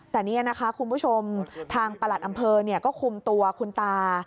แต่นี่นะคะคุณผู้ชมทางประหลัดอำเภอก็คุมตัวคุณตา